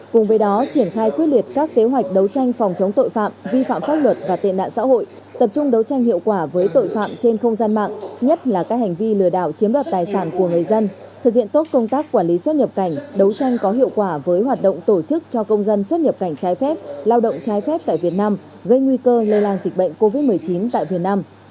cùng với đó triển khai quyết liệt các kế hoạch đấu tranh phòng chống tội phạm vi phạm pháp luật và tiện đạn xã hội tập trung đấu tranh hiệu quả với tội phạm trên không gian mạng nhất là các hành vi lừa đảo chiếm đoạt tài sản của người dân thực hiện tốt công tác quản lý xuất nhập cảnh đấu tranh có hiệu quả với hoạt động tổ chức cho công dân xuất nhập cảnh trái phép lao động trái phép tại việt nam gây nguy cơ lây lan dịch bệnh covid một mươi chín tại việt nam